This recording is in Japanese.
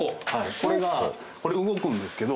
これがこれ動くんですけど。